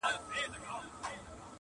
o بشري سازمانونه دا پېښه غندي